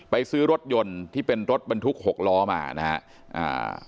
ซื้อรถยนต์ที่เป็นรถบรรทุกหกล้อมานะฮะอ่า